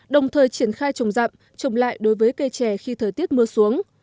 đồng thời triển khai trồng rậm trồng lại đối với cây chè khi thời tiết mưa xuống